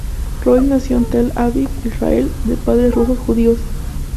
Roiz nació en Tel Aviv, Israel, de padres rusos judíos.